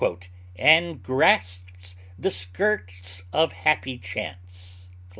And grasps the skirts of happy chance.